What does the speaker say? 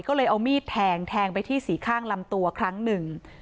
ก็เลยเอามีดแทงแทงไปที่สีข้างลำตัวครั้งหนึ่ง